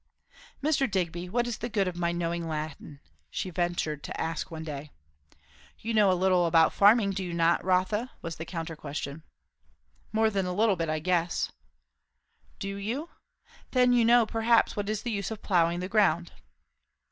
"Mr. Digby, what is the good of my knowing Latin?" she ventured to ask one day. "You know a little about farming, do you not, Rotha?" was the counter question. "More than a little bit, I guess." "Do you? Then you know perhaps what is the use of ploughing the ground?"